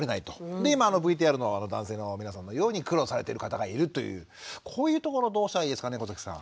で今ＶＴＲの男性の皆さんのように苦労されてる方がいるというこういうところどうしたらいいですかね小崎さん。